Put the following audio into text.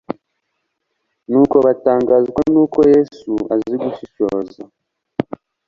nuko batangazwa n'uburyo Yesu azi gushishoza.